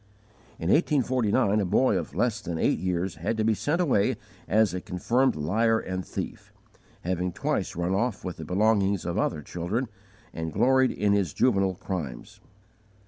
_ In 1849, a boy, of less than eight years, had to be sent away as a confirmed liar and thief, having twice run off with the belongings of other children and gloried in his juvenile crimes.